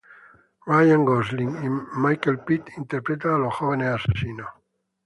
Ryan Gosling y Michael Pitt interpretan a los jóvenes asesinos.